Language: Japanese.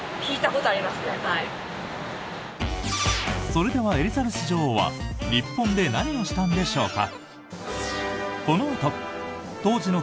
それでは、エリザベス女王は日本で何をしたんでしょうか？